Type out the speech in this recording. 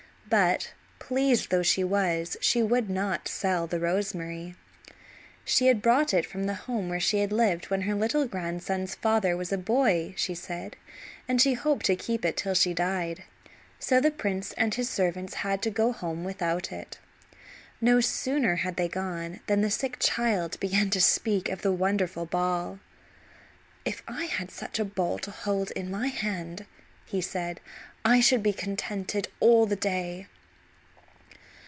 But pleased though she was she would not sell the rosemary. She had brought it from the home where she had lived when her little grandson's father was a boy, she said, and she hoped to keep it till she died. So the prince and his servants had to go home without it. No sooner had they gone than the sick child began to talk of the wonderfull ball. "If I had such a ball to hold in my hand," he said, "I should be contented all the day."